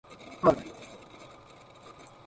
However.